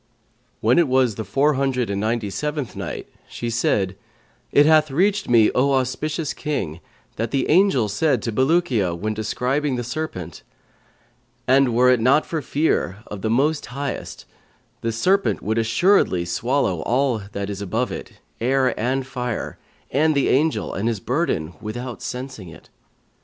When it was the Four Hundred and Ninety seventh Night, She said, It hath reached me, O auspicious King, that the angel said to Bulukiya when describing the serpent, "'And were it not for fear of the Most Highest, this serpent would assuredly swallow up all that is above it, air and fire, and the Angel and his burden, without sensing it.